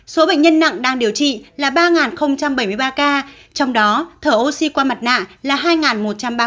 số bệnh nhân nặng đang điều trị là ba bảy mươi ba ca trong đó thở oxy qua mặt nạ là hai một trăm ba mươi ba